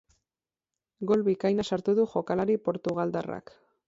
Gol bikaina sartu du jokalari portugaldarrak.